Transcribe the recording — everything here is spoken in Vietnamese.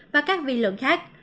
và các vi lượng khác